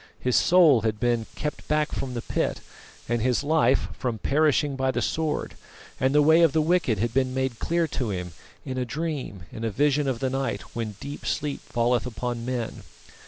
His soul had been "kept back from the pit," and his life from "perishing by the sword;" and the way of the wicked had been made clear to him "in a dream, in a vision of the night when deep sleep falleth upon men."